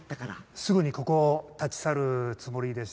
すぐにここを立ち去るつもりでした。